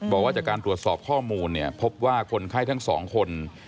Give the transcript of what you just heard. บอกว่าจากการตรวจสอบข้อมูลเนี่ยพบว่าคนไข้ทั้งสองคน